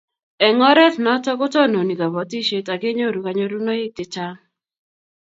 Eng' oret notok ko tononi kabatishet akenyoru kanyorunoik che chang'